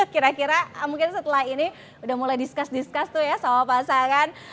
kira kira mungkin setelah ini udah mulai diskas diskas tuh ya sama pasangan